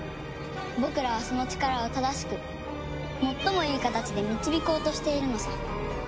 僕らはその力を正しく最もいい形で導こうとしているのさ。